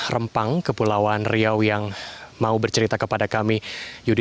rempang kepulauan riau yang mau bercerita kepada kami yudi